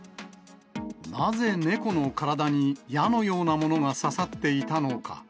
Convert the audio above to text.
なぜ猫の体に矢のようなものが刺さっていたのか。